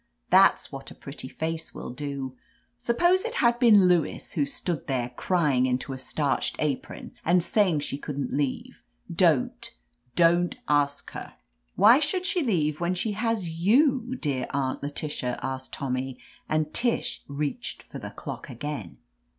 "That's what a pretty face will do. Suppose it had been Lewis, who ^tood there, crying into a starched apron and « sibfing she couldn't leave — don't, don't ask her?^ 30 I / OF LETITIA CARBERRY Why should she leave when she has you, dear Aunt Letitia?'* asked Tommy, and Tish reached for the clock again.